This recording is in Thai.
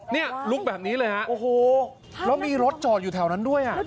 เนี่ยลุกแบบนี้เลยฮะโอ้โหแล้วมีรถจอดอยู่แถวนั้นด้วยอ่ะ